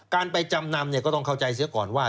การไปจำนำก็ต้องเข้าใจเสียก่อนว่า